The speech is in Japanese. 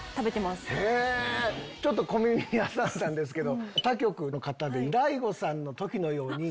ちょっと小耳に挟んだんですけど。